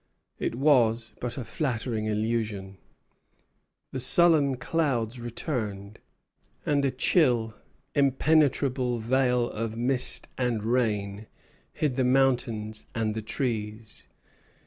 It was but a flattering illusion. The sullen clouds returned, and a chill, impenetrable veil of mist and rain hid the mountains and the trees.